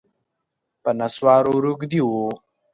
په نسوارو روږدی و